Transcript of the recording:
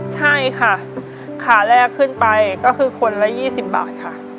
ใช่ค่ะขาแรกขึ้นไปก็คือคนละ๒๐บาทค่ะ